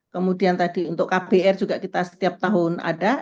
kemudian tadi untuk kbr juga kita setiap tahun ada